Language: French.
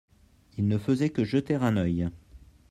il ne faisait que jeter un œil.